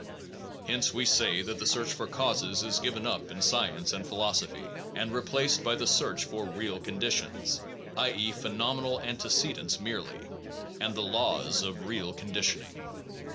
Hence we say that the search for causes is given up in science and philosophy, and re placed by the search for real conditions (i. e., phenomenal antecedents merely) and the laws of real conditioning.